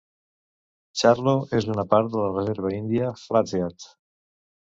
Charlo és una part de la reserva índia Flathead.